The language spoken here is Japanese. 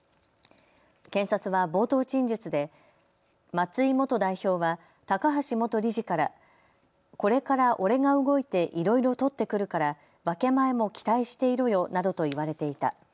検察は冒頭陳述で松井元代表は高橋元理事からこれから俺が動いていろいろ取ってくるから分け前も期待していろよなどと言われていた。